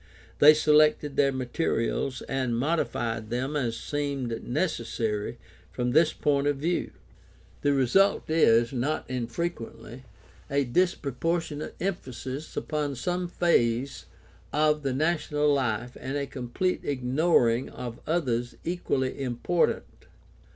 They selected their materials and modified them as seemed necessary from this point of view. The result is, not in frequently, a disproportionate emphasis upon some phase of the national life and a complete ignoring of others equally important.